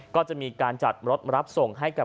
ก็จะมีการจัดรถรับส่งให้กับ